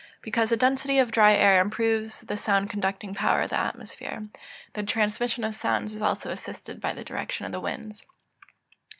_ Because the density of dry air improves the sound conducting power of the atmosphere. The transmission of sounds is also assisted by the direction of the winds.